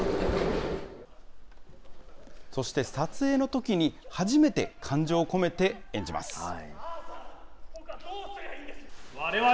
そして撮影のときに初めて感情を込めて演じます。